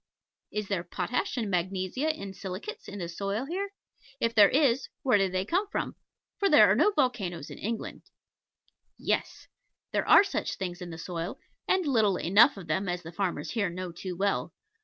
Is there potash and magnesia and silicates in the soil here? And if there is, where did they come from? For there are no volcanos in England. Yes. There are such things in the soil; and little enough of them, as the farmers here know too well.